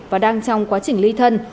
và đang trong quá trình ly thân